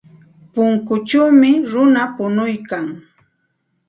Punkuchawmi runa punuykan.